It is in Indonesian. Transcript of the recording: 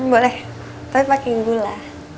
boleh tapi pake gula